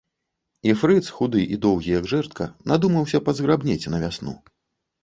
І фрыц, худы і доўгі, як жэрдка, надумаўся пазграбнець на вясну.